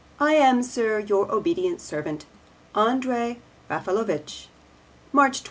I am, Sir, your obedient servant, ANDRE RAFFALOVICH. March 28.